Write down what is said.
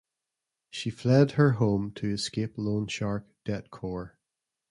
She fled her home to escape loan shark "debt corps".